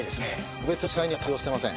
個別の取材には対応してません。